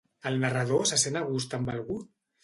El narrador se sent a gust amb algú?